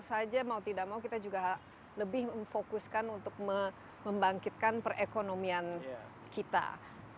saja mau tidak mau kita juga lebih memfokuskan untuk membangkitkan perekonomian kita ya ya ya ya